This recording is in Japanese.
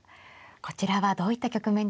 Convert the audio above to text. こちらはどういった局面でしょうか。